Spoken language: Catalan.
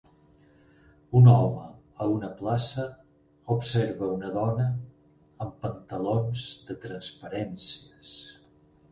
Un home a una plaça observa una dona amb pantalons de transparències.